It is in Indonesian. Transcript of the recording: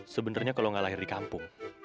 sebenernya kalau gak lahir di kampung